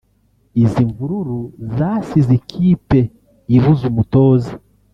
Izi mvururu zasize ikipe ibuze umutoza